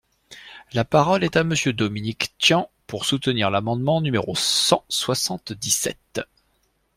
La parole est à Monsieur Dominique Tian, pour soutenir l’amendement numéro cent soixante-dix-sept.